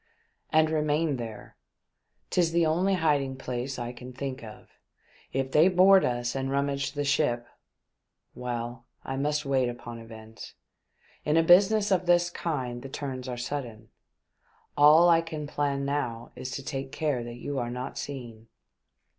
" And remain there. 'Tis the only hiding place I can think of. If they board us and rummage the ship — well, I must wait upon events. In a business of this kind the turns are sudden. All that I can plan now is to take care that you are not seen."